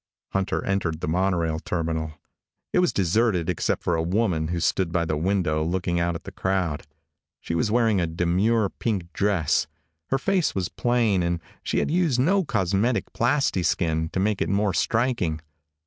Hunter entered the monorail terminal. It was deserted except for a woman who stood by the window looking out at the crowd. She was wearing a demure, pink dress. Her face was plain, and she had used no cosmetic plasti skin to make it more striking.